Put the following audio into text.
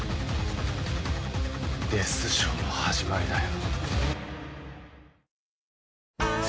デス・ショーの始まりだよ。